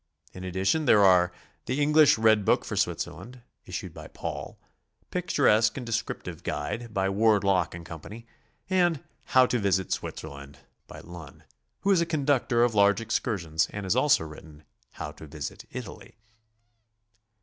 In addition there are: "The Eng lish Red Book for Switzerland," issued by Paul; "Pictur esque an d Descriptive Guide," by Ward, Lock & Co., and "How to Visit Switzerland," by Lunn, who is a conductor of large excursions and has also written, "How to Visit Italy."